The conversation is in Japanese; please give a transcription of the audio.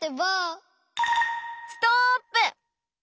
ストップ！